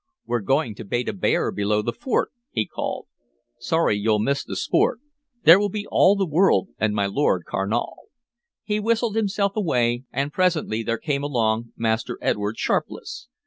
"We're going to bait a bear below the fort!" he called. "Sorry you'll miss the sport! There will be all the world and my Lord Carnal." He whistled himself away, and presently there came along Master Edward Sharpless.